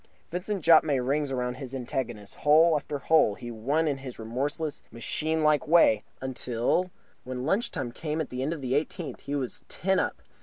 Vincent Jopp made rings round his antagonist. Hole after hole he won in his remorseless, machine like way, until when lunch time came at the end of the eighteenth he was ten up.